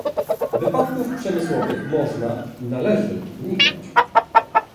Wypadków przemysłowych można i należy unikać